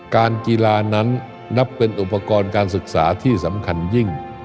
การกีฬานั้นนับเป็นอุปกรณ์การศึกษาที่สำคัญยิ่ง